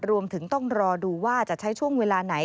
รวมถึงต้องรอดูว่าจะใช้ช่วงเวลาไหน